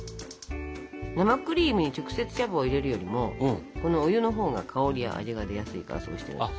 生クリームに直接茶葉を入れるよりもこのお湯のほうが香りや味が出やすいからそうしてます。